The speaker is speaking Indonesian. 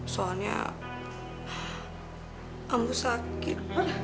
soalnya ambu sakit